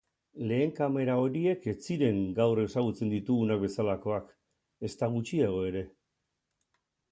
Lehen kamera horiek ez ziren gaur ezagutzen ditugunak bezalakoak, ezta gutxiago ere.